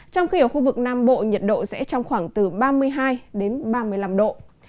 trong khi ở khu vực nam bộ nhiệt độ sẽ trong khoảng từ ba mươi hai đến ba mươi năm độ